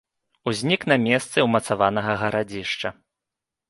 Узнік на месцы ўмацаванага гарадзішча.